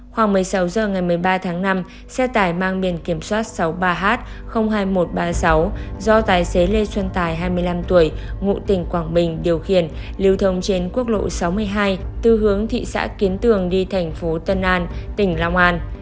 khoảng một mươi sáu h ngày một mươi ba tháng năm xe tải mang biển kiểm soát sáu mươi ba h hai nghìn một trăm ba mươi sáu do tài xế lê xuân tài hai mươi năm tuổi ngụ tỉnh quảng bình điều khiển lưu thông trên quốc lộ sáu mươi hai từ hướng thị xã kiến tường đi thành phố tân an tỉnh long an